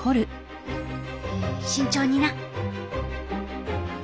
慎重にな。